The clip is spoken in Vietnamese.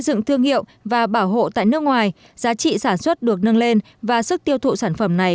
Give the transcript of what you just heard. dựng thương hiệu và bảo hộ tại nước ngoài giá trị sản xuất được nâng lên và sức tiêu thụ sản phẩm này